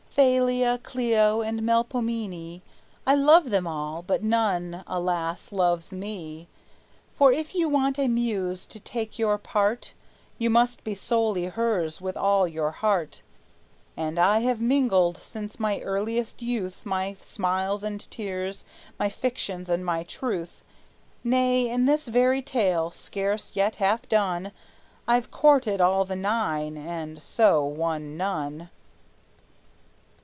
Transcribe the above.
Thalia, Clio, and Melpomene, I love them all, but none, alas, loves me; For if you want a muse to take your part You must be solely hers with all your heart; And I have mingled since my earliest youth My smiles and tears, my fictions and my truth; Nay, in this very tale, scarce yet half done, I've courted all the nine, and so won none!